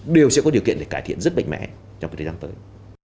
đều sẽ có điều kiện để cải thiện rất mạnh mẽ trong thời gian tới